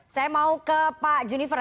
saya mau ke pak junifernya